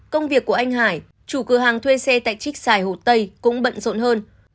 công việc của anh hải chủ cửa hàng thuê xe tại trích xài hồ tây cũng bận rộn hơn